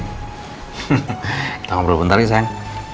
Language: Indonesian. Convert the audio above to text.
kita ngobrol bentar ya sayang